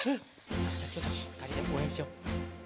よしじゃあきほちゃんふたりでおうえんしよう。